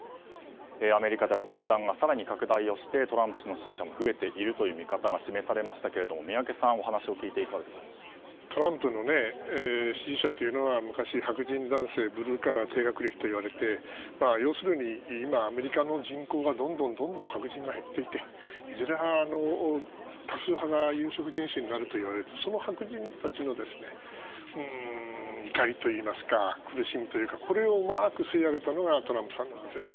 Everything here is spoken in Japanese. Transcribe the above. アメリカでは分断が更に拡大してトランプ氏の支持者も増えているという見方が示されましたが宮家さん、お話を聞いてトランプの支持者というのは昔、白人男性ブルーカラー、低学歴といわれて要するに今アメリカの人口がどんどん白人が減っていていずれ多数派が有色人種になるといわれていてその白人たちの怒りといいますか苦しみというかこれをうまく吸い上げたのがトランプさんなんですね。